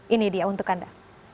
ini dia untuk anda